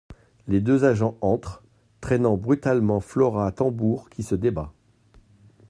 Les deux agents entrent, traînant brutalement Flora Tambour qui se débat…